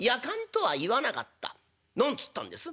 「何つったんです？」